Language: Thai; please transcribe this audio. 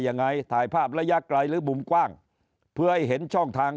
ยังไงถ่ายภาพระยะไกลหรือมุมกว้างเพื่อให้เห็นช่องทาง